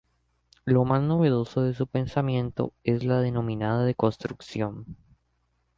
Lo más novedoso de su pensamiento es la denominada deconstrucción.